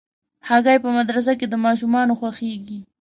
هګۍ په مدرسه کې د ماشومانو خوښېږي.